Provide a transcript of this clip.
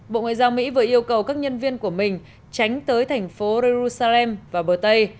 bộ ngoại giao mỹ vừa yêu cầu các nhân viên của mình tránh tới thành phố erusalem vào bờ tây